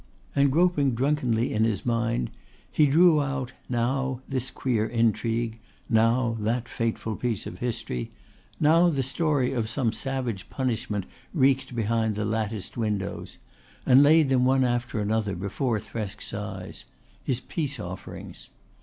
And groping drunkenly in his mind he drew out now this queer intrigue, now that fateful piece of history, now the story of some savage punishment wreaked behind the latticed windows, and laid them one after another before Thresk's eyes his peace offerings.